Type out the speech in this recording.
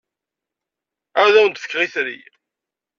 Ad awen-d-fkeɣ itri.